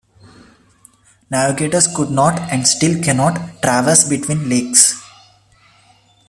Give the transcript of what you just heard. Navigators could not and still cannot traverse between lakes.